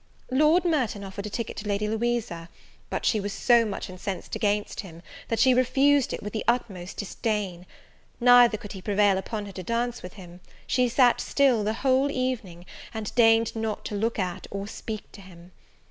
Lord Merton offered a ticket to Lady Louisa; but she was so much incensed against him, that she refused it with the utmost disdain: neither could he prevail upon her to dance with him; she sat still the whole evening, and deigned not to look at or speak to him.